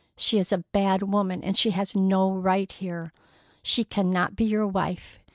She is a bad woman, and she has no right here. She cannot be your wife.